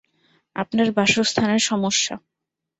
আপনার বাসস্থানে সমস্যা।